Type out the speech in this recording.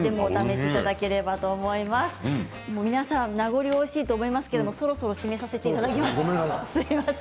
皆さん名残惜しいと思いますがそろそろ締めさせていただきます。